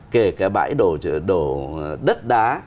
kể cả bãi đổ đất đá